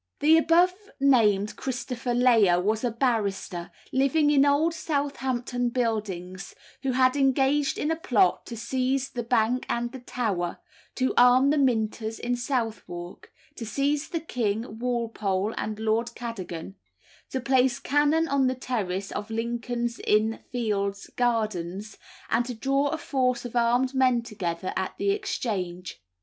The above named Christopher Layer was a barrister, living in Old Southampton Buildings, who had engaged in a plot to seize the Bank and the Tower, to arm the Minters in Southwark, to seize the king, Walpole, and Lord Cadogan, to place cannon on the terrace of Lincoln's Inn Fields gardens, and to draw a force of armed men together at the Exchange.